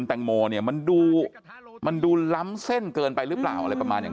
แตงโมเนี่ยมันดูมันดูล้ำเส้นเกินไปหรือเปล่าอะไรประมาณอย่าง